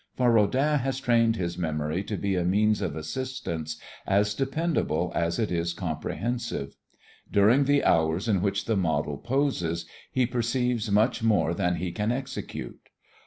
For Rodin has trained his memory to be a means of assistance as dependable as it is comprehensive. During the hours in which the model poses he perceives much more than he can execute.